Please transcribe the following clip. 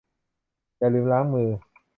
อย่าลืมล้างมือ